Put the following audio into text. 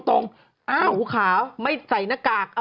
หนูขาวไม่ใส่หน้ากาก